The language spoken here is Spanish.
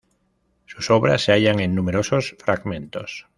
Sus obras se hallan en numerosos fragmentos.